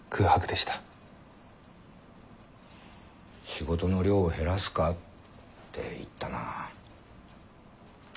「仕事の量を減らすか？」って言ったな。